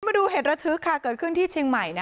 มาดูเหตุระทึกค่ะเกิดขึ้นที่ชิงใหม่นะคะ